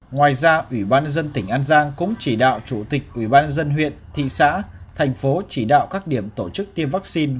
ngoài ra ủy ban dân tỉnh an giang cũng chỉ đạo chủ tịch ủy ban dân huyện thị xã thành phố chỉ đạo các điểm tổ chức tiêm vaccine